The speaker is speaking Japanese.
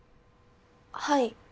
はい。